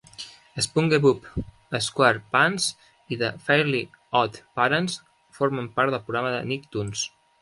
"SpongeBob SquarePants" i "The Fairly OddParents" formen part del programa de Nicktoons.